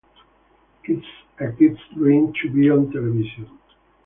It's a kid's dream to be on television.